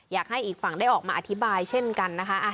อยากให้อีกฝั่งได้ออกมาอธิบายเช่นกันนะคะ